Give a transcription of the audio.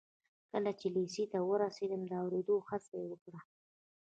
کله چې لېسې ته ورسېد د اورېدو هڅه یې وکړه